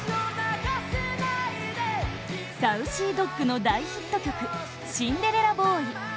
ＳａｕｃｙＤｏｇの大ヒット曲「シンデレラボーイ」